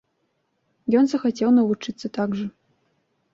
Ён захацеў навучыцца так жа.